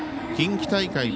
近畿大会